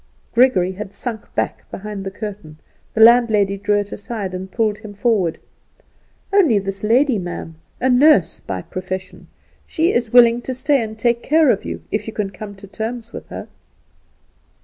Gregory had sunk back behind the curtain; the landlady drew it aside, and pulled him forward. "Only this lady, ma'am a nurse by profession. She is willing to stay and take care of you, if you can come to terms with her."